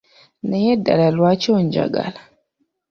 Naye ddala lwaki onjagala?